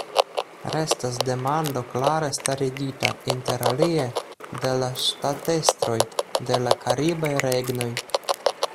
Restas demando klare starigita, interalie, de la ŝtatestroj de la karibaj regnoj.